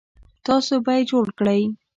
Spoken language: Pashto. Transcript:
تاسو به یې جوړ کړئ